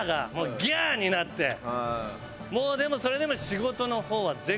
もうでもそれでも。